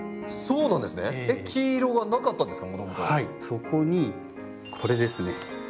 そこにこれですね。